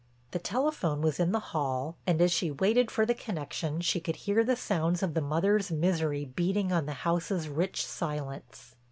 The telephone was in the hall and, as she waited for the connection, she could hear the sounds of the mother's misery beating on the house's rich silence.